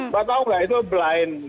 mbak tahu nggak itu blind